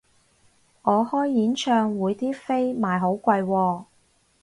我開演唱會啲飛賣好貴喎